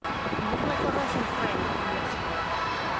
You look like a Russian friend of years ago.